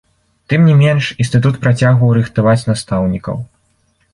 Тым не менш, інстытут працягваў рыхтаваць настаўнікаў.